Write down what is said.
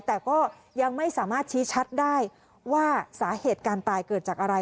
แต่ก็ยังไม่สามารถชี้ชัดได้ว่าสาเหตุการตายเกิดจากอะไร